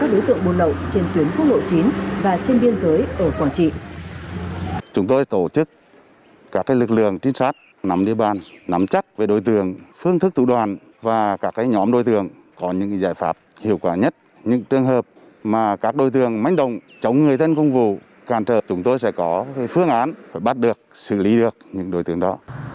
đây là những thủ đoạn của các đối tượng buôn lậu trên tuyến quốc lộ chín và trên biên giới ở quảng trị